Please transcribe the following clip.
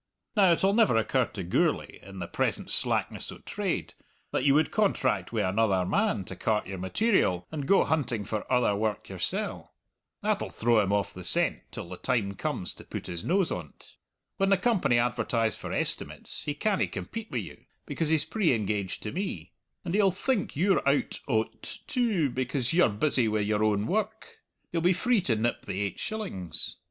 Now, it'll never occur to Gourlay, in the present slackness o' trade, that you would contract wi' another man to cart your material, and go hunting for other work yoursell. That'll throw him off the scent till the time comes to put his nose on't. When the Company advertise for estimates he canna compete wi' you, because he's pre engaged to me; and he'll think you're out o't too, because you're busy wi' your own woark. You'll be free to nip the eight shillings.